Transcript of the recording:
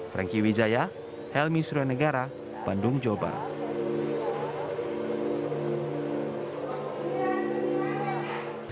berita terkini mengenai cuaca ekstrem dua ribu dua puluh satu di jawa timur